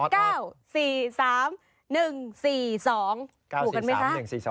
ถูกกันไหมคะ๙๔๓๑๔๒